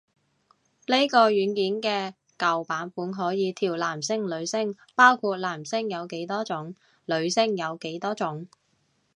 呢個軟件嘅舊版本可以調男聲女聲，包括男聲有幾多種女聲有幾多種